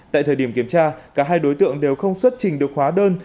tại thời điểm kiểm tra cả hai đối tượng đều không xuất trình được hóa đơn